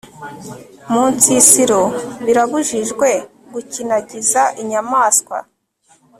mu nsisiro birabujijwe gukinagiza inyamaswa